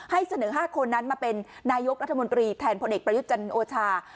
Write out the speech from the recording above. ให้เสนอ๕คนนั้นมาเป็นนายกรัฐมนตรีแทนพลเอกประยุทธ์จันโอชา